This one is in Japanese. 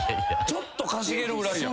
ちょっとかしげるぐらいや。